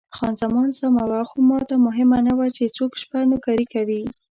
خان زمان سمه وه، خو ماته مهمه نه وه چې څوک شپه نوکري کوي.